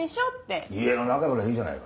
家の中ぐらいいいじゃないか。